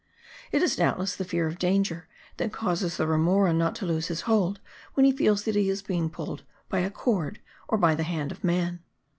It is doubtless the fear of danger that causes the remora not to loose his hold when he feels that he is pulled by a cord or by the hand of man.